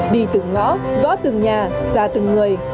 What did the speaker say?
đi từ ngõ gõ từng nhà ra từng người